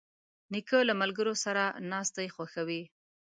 نیکه له ملګرو سره ناستې خوښوي.